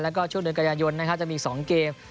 แล้วก็ช่วงเดินกระยะยนต์จะมีอีก๒เกม